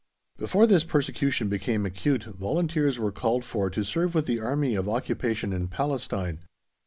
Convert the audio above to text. Before this persecution became acute volunteers were called for to serve with the Army of Occupation in Palestine.